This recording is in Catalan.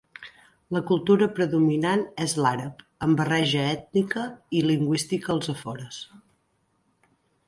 La cultura predominant és l'àrab, amb barreja ètnica i lingüística als afores.